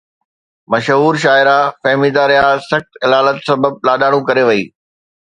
مشهور شاعره فهميده رياض سخت علالت سبب لاڏاڻو ڪري وئي